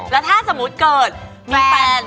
แล้วถ้าสมมุติเกิดมีแฟน